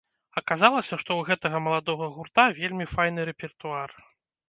Аказалася, што ў гэтага маладога гурта вельмі файны рэпертуар.